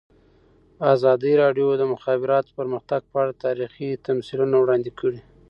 ازادي راډیو د د مخابراتو پرمختګ په اړه تاریخي تمثیلونه وړاندې کړي.